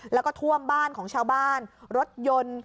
แล้วก็ท่วมบ้านของชาวบ้านรถยนต์